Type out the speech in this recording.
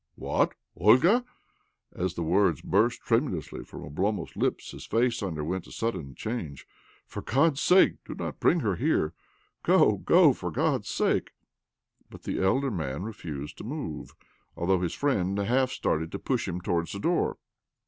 "What? Olga?" As the words burst tremulously from' Oblomov's lips his face 29б OBLOMOV. underwent a sudden change. " For God's sake do not bring her here ! Go, go, for God's sake !" But the elder man refused to move, although his friend half started to push him towards the door.